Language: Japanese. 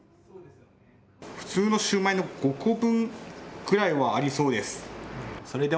普通のシューマイの５個分くらいはありそうです。